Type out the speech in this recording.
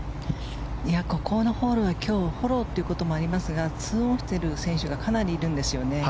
このホールは今日フォローということもありますが２オンしている選手がかなりいるんですよね。